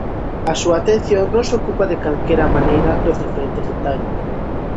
A súa atención non se ocupa de calquera maneira dos diferentes detalles.